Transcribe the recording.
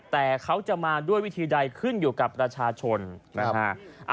แต่เขาจะมาด้วยวิธีใดขึ้นอยู่กับประชาชนนะฮะ